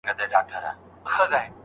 استاد به د شاګردانو لارښوونه کوي.